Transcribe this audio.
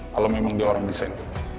kalau memang dia orang desain